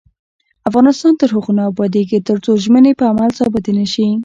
افغانستان تر هغو نه ابادیږي، ترڅو ژمنې په عمل ثابتې نشي.